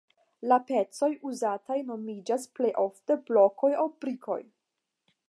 La pecoj uzataj nomiĝas plej ofte blokoj aŭ brikoj.